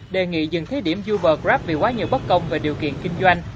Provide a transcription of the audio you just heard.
đề nghị dừng thí điểm uber grab vì quá nhiều bất công về điều kiện kinh doanh